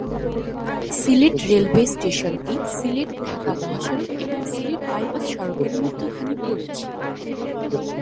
Sylhet railway স্টেশনটি সিলেট-ঢাকা মহাসড়ক এবং সিলেট বাইপাস সড়কের মধ্যখানে পড়েছে।